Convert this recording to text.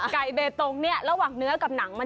ไก่เบตงระหว่างเนื้อกับหนัง